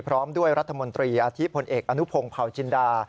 พร้อมด้วยรัฐมนตรีอาทิตยพลเอกอนุพงศ์เผาจินดา